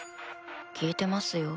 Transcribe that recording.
聞いてますよ。